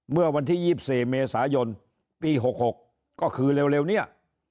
เมื่อวันที่๒๔เมษายนปี๖๖ก็คือเร็วเนี่ย